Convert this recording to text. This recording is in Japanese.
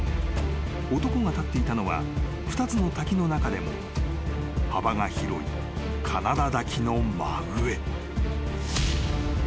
［男が立っていたのは２つの滝の中でも幅が広いカナダ滝の真上］